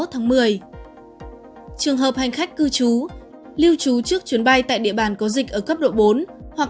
trường hợp hành khách cư trú lưu trú trước chuyến bay tại địa bàn có dịch ở cấp độ bốn hoặc